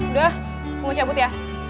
udah mau cabut ya